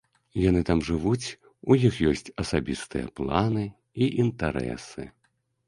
Яны там жывуць, у іх ёсць асабістыя планы і інтарэсы.